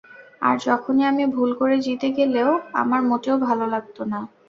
আর যখনি আমি ভুল করে জিতে গেলেও, আমার মোটেও ভালো লাগতো না!